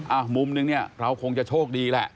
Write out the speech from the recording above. มุมนึงเนี่ยเราคงจะโชคดีแหละ